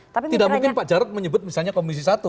tidak mungkin pak jarod menyebut misalnya komisi satu